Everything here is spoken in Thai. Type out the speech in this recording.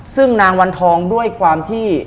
ซึ่งนางวันทองด้วยความที่